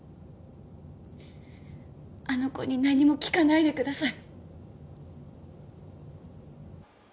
あの子に何も聞かないでください。